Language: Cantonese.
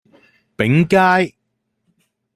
昺街